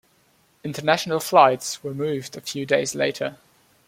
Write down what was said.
International flights were moved a few days later.